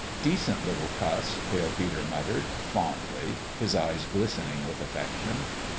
" Decent little cuss!" Pale Peter muttered, fondly, his eyes glistening with affection.